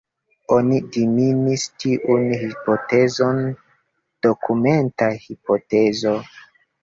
Oni difinis tiun hipotezon dokumenta hipotezo.